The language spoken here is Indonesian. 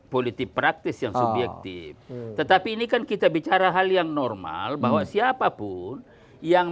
politik praktis yang subjektif tetapi ini kan kita bicara hal yang normal bahwa siapapun yang